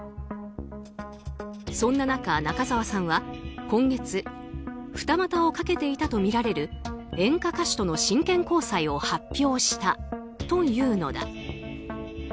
そんな中、中澤さんは今月二股をかけていたとみられる演歌歌手との真剣交際を発表したというのだ。